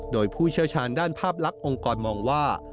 โดยผู้เชี่ยวชาญด้านภาพลักษณ์องค์กรมองว่า